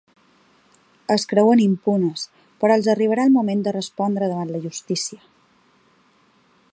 Es creuen impunes, però els arribarà el moment de respondre davant la justícia.